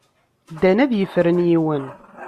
Dan ad yefren yiwen.